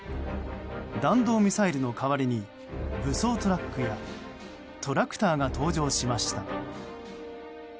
弾道ミサイルの代わりに武装トラックやトラクターが登場しました。